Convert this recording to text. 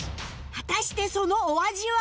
果たしてそのお味は！？